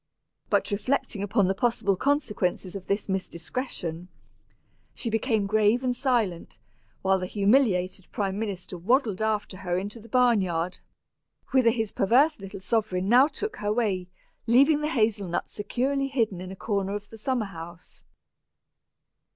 But reflecting upon the possible consequences of this indiscretion, she became grave and silent, while the humiliated prime minister waddled after her into the barn yard, whither his perverse little sovereign now took her way, leaving the hazel nut securely hidden in a corner of the summer house.